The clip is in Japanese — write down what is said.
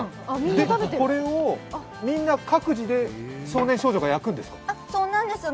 これをみんな各自で少年少女が焼くんですか？